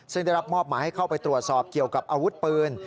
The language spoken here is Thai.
ซึ่งได้รับมอบหมายให้เข้าไปตรวจสอบเกี่ยวกับอาวุธปืน